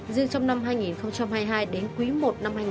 dương trong năm hai nghìn hai mươi hai đến quý i năm hai nghìn hai mươi một